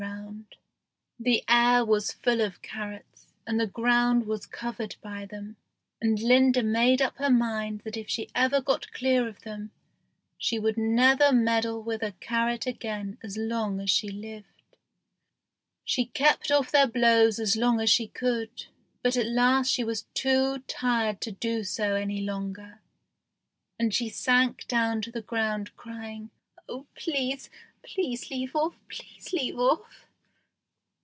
[Illustration: "HAVE YOU NO FEELINGS?" SAID THE CARROT] The air was full of carrots, and the ground was covered by them, and Linda made up her mind that if she ever got clear of them she would never meddle with a carrot again as long as she lived. She kept off their blows as long as she could, but at last she was too tired to do so any longer, and she sank down to the ground crying, "Oh, please leave off! please leave off!"